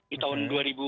di tahun dua ribu delapan